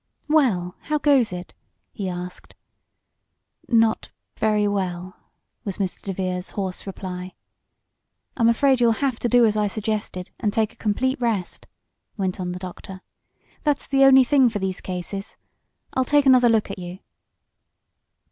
"Well, how goes it?" he asked. "Not very well," was Mr. DeVere's hoarse reply. "I'm afraid you'll have to do as I suggested and take a complete rest," went on the doctor. "That's the only thing for these cases. I'll take another look at you."